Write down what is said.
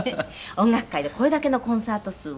音楽界でこれだけのコンサート数を。